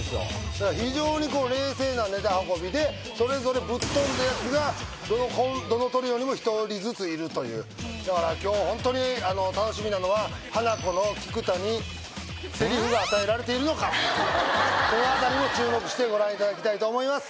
だから非常に冷静なネタ運びでそれぞれぶっ飛んだやつがどのトリオにも１人ずついるというだから今日本当に楽しみなのはハナコの菊田にセリフが与えられているのかそのあたりも注目してご覧いただきたいと思います